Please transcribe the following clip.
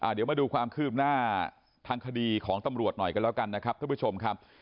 เดี๋ยวมาดูความคืบหน้าทางคดีของตำรวจหน่อยกันแล้วกันนะครับท่านผู้ชมครับ